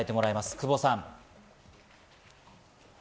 久保さん。